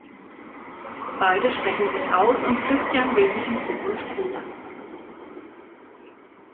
Beide sprechen sich aus und Christian will sich in Zukunft ändern.